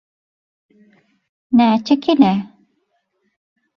– Näçe kile?